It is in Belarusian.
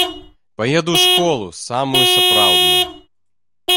Паеду ў школу, самую сапраўдную.